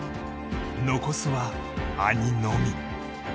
残すは兄のみ。